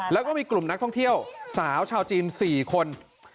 แล้วก็มีกลุ่มนักท่องเที่ยวสาวชาวจีน๔คน